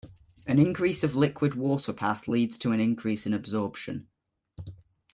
An increase of liquid water path leads to an increase in absorption.